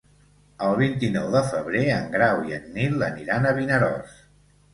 El vint-i-nou de febrer en Grau i en Nil aniran a Vinaròs.